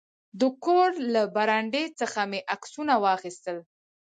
د کور له برنډې څخه مې عکسونه واخیستل.